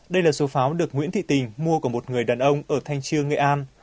đây là số pháo được nguyễn thị tình mua của một người đàn ông ở thanh trương nghệ an